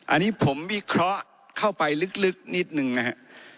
อันนี้ผมวิเคราะห์เข้าไปลึกนิดนึงนะฮะ